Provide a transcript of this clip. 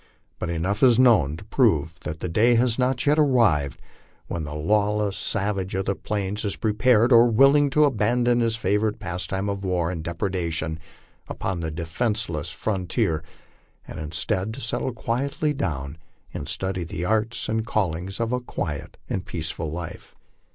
But enough is known to prove that the day has not yet arrived when the lawless savage of the plains is prepared or willing to abandon his favorite pastime of war and depredation upon the defenceless frontier, and instead to settle quietly down and study the arts and callings of a quiet and peaceful life.